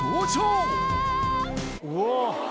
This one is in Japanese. うわ！